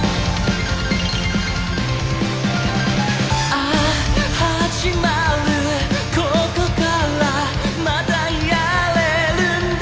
「ＡＨ始まる此処からまたやれるんだ」